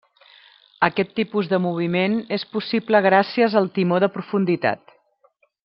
Aquest tipus de moviment és possible gràcies al timó de profunditat.